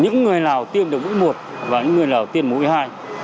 những người nào tiêm được mũi một và những người nào tiêm mũi hai